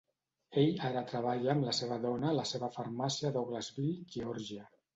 Ell ara treballa amb la seva dona a la seva farmàcia a Douglasville, Geòrgia.